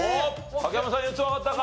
影山さん４つわかったか？